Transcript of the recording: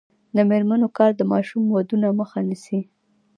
د میرمنو کار د ماشوم ودونو مخه نیسي.